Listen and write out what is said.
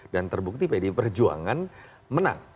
dan terbukti pd perjuangan menang